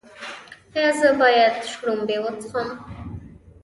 ایا زه باید شړومبې وڅښم؟